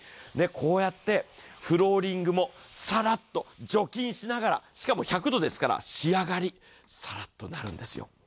こうやってフローリングもさらっと除菌しながら、しかも１００度ですから、仕上がり、さらっとなるんですよ。